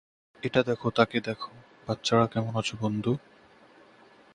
এটা দেখ তাকে দেখ, বাচ্চারা - কেমন আছো, বন্ধু?